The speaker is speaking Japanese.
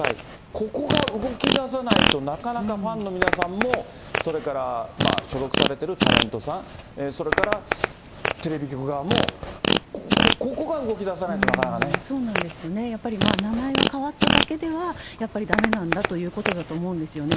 ここが動きださないと、なかなかファンの皆さんも、それから所属されてるタレントさん、それからテレビ局側も、そうなんですよね、やっぱり名前が変わっただけでは、やっぱりだめなんだということだと思うんですよね。